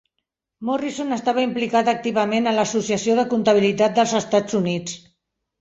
Morrison estava implicat activament en l'Associació de Comptabilitat dels Estats Units.